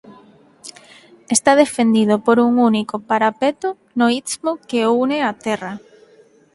Está defendido por un único parapeto no istmo que o une á terra.